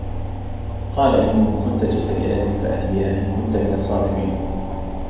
قَالَ إِنْ كُنْتَ جِئْتَ بِآيَةٍ فَأْتِ بِهَا إِنْ كُنْتَ مِنَ الصَّادِقِينَ